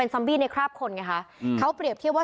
ซัมบี้ในคราบคนไงคะเขาเปรียบเทียบว่า